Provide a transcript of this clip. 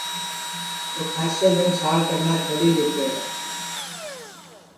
تو کھاسے منکھ ساڑ کرنا